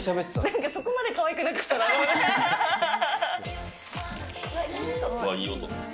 なんかそこまでかわいくなかうわ、いい音。